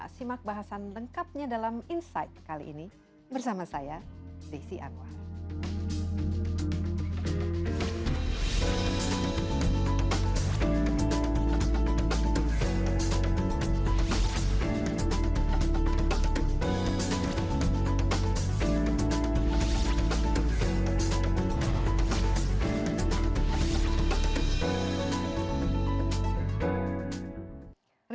simak bahasan lengkapnya dalam insight kali ini bersama saya desi anwar